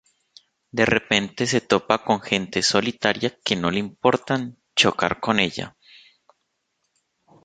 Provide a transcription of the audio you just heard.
De repente se topa con gente solitaria que no le importan chocar con ella.